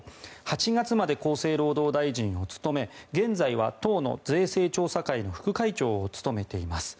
８月まで厚生労働大臣を務め現在は党の税制調査会の副会長を務めています。